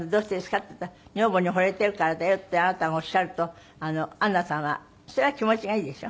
って言ったら「女房に惚れてるからだよ」ってあなたがおっしゃるとアンナさんはそれは気持ちがいいでしょ？